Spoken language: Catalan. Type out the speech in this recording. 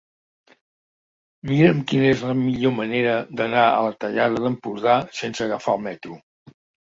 Mira'm quina és la millor manera d'anar a la Tallada d'Empordà sense agafar el metro.